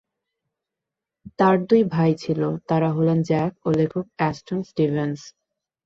তার দুই ভাই ছিল, তারা হলেন জ্যাক ও লেখক অ্যাস্টন স্টিভেন্স।